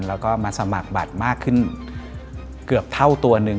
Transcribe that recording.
แล้วก็มาสมัครบัตรมากขึ้นเกือบเท่าตัวหนึ่ง